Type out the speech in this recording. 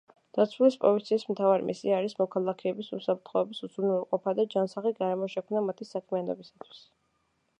დაცვის პოლიციის მთავარი მისია არის მოქალაქეების უსაფრთხოების უზრუნველყოფა და ჯანსაღი გარემოს შექმნა მათი საქმიანობისათვის.